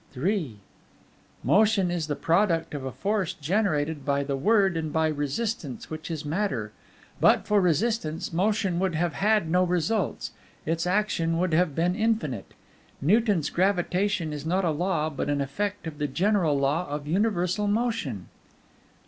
III Motion is the product of a force generated by the Word and by Resistance, which is Matter. But for Resistance, Motion would have had no results; its action would have been infinite. Newton's gravitation is not a law, but an effect of the general law of universal motion.